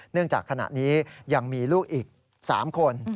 เนื่องจากขณะนี้ยังมีลูกอีก๓คน